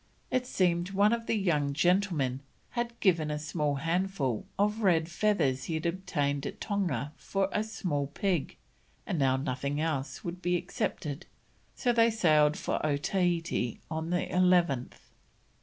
It seems one of the young gentlemen had given a small handful of red feathers he had obtained at Tonga for a small pig, and now nothing else would be accepted, so they sailed for Otaheite on the 11th.